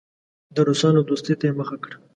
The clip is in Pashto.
د روسانو دوستۍ ته یې مخه کړه.